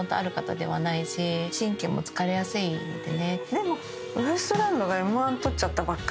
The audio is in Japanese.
でも。